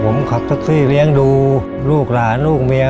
ผมขับแท็กซี่เลี้ยงดูลูกหลานลูกเมีย